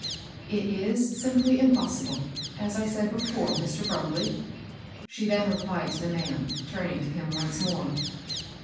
^^ It is simply impossible, as I said before, Mr^ BrumUey,'' she then replied to the man, turning to him once more.